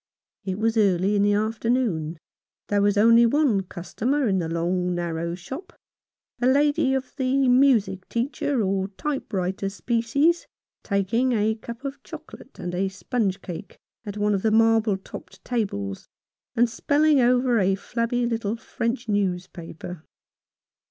It was early in the afternoon. There was only one customer in the long, narrow shop, a lady of the music teacher or type writer species, taking a cup of chocolate and a sponge cake at one of the marble topped tables, and spelling over a flabby little French newspaper.